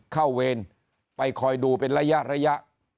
เวรไปคอยดูเป็นระยะ